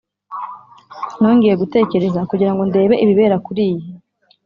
Nongeye gutekereza kugira ngo ndebe ibibera kuri iyi